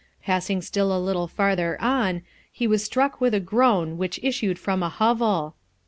Passing still a little farther on, he was struck with a groan which issued from a hovel.